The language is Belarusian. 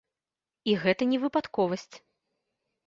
І гэта не выпадковасць.